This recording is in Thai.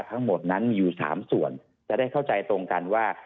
ทั้งหมดนั้นมีอยู่๓ส่วนจะได้เข้าใจตรงกันว่า